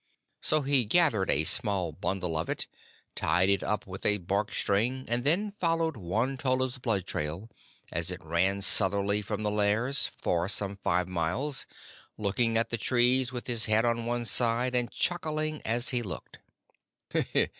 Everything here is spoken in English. So he gathered a small bundle of it, tied it up with a bark string, and then followed Won tolla's blood trail as it ran southerly from the lairs, for some five miles, looking at the trees with his head on one side, and chuckling as he looked.